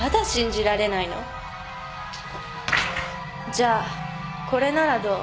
じゃあこれならどう？